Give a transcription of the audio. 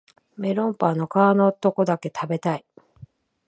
メロンパンの皮のとこだけ食べたい